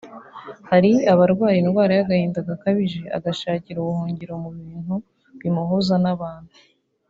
Hari abarwara indwara y’agahinda gakabije agashakira ubuhungiro mu bintu bimuhuza n’abantu